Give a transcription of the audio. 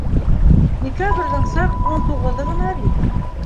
Декабрҙең саҡ ун туғыҙы ғына бит.